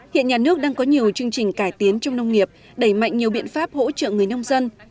hiện nhà nước đang có nhiều chương trình cải tiến trong nông nghiệp đẩy mạnh nhiều biện pháp hỗ trợ người nông dân